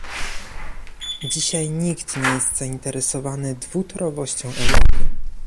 Dzisiaj nikt nie jest zainteresowany dwutorowością Europy